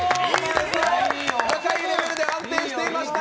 高いレベルで安定していました。